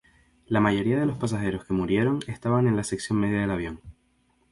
La mayoría de los pasajeros que murieron estaban en la sección media del avión.